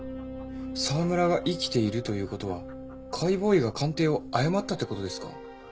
沢村が生きているという事は解剖医が鑑定を誤ったって事ですか？